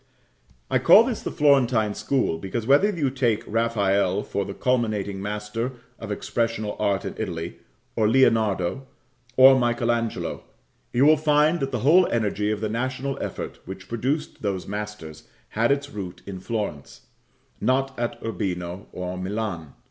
I call this the Florentine school, because, whether you take Raphael for the culminating master of expressional art in Italy, or Leonardo, or Michael Angelo, you will find that the whole energy of the national effort which produced those masters had its root in Florence; not at Urbino or Milan.